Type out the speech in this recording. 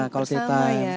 kualitasnya sama ya